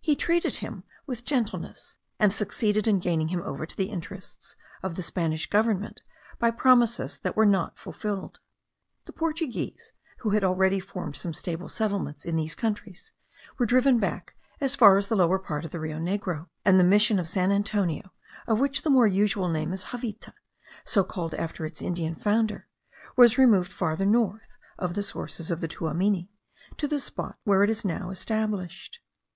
He treated him with gentleness, and succeeded in gaining him over to the interests of the Spanish government by promises that were not fulfilled. The Portuguese, who had already formed some stable settlements in these countries, were driven back as far as the lower part of the Rio Negro; and the mission of San Antonio, of which the more usual name is Javita, so called after its Indian founder, was removed farther north of the sources of the Tuamini, to the spot where it is now established.